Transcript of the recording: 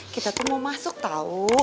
kita tuh mau masuk tahu